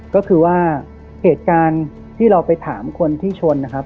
ก็คือว่าเหตุการณ์ที่เราไปถามคนที่ชนนะครับ